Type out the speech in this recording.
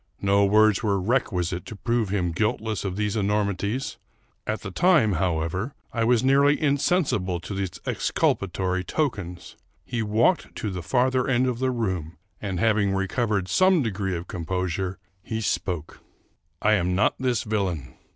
No words were requisite to prove him guilt less of these enormities : at the time, however, I was nearly insensible to these exculpatory tokens. He walked to the farther end of the room, and, having recovered some de gree of composure, he spoke :—" I am not this villain.